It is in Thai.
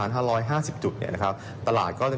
ถูกต้อง